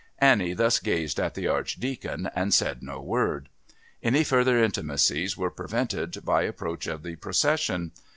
Annie thus gazed at the Archdeacon and said no word. Any further intimacies were prevented by approach of the procession.